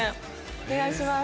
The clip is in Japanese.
お願いします。